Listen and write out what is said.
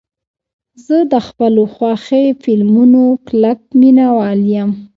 زه د خپلو خوښې فلمونو کلک مینهوال یم.